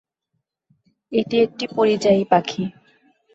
মাদারীপুর জেলার উত্তর প্রান্তে শিবচর পৌরসভার অবস্থান।